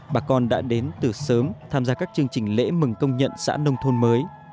bà con đã đến từ sớm tham gia các chương trình lễ mừng công nhận xã nông thôn mới